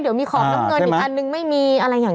เดี๋ยวมีขอบน้ำเงินอีกอันนึงไม่มี